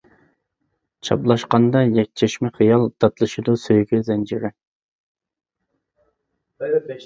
چاپلاشقاندا يەكچەشمە خىيال، داتلىشىدۇ سۆيگۈ زەنجىرى.